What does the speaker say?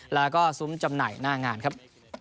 แล้วก็ซุ้มจำหน่ายหน้างานครับ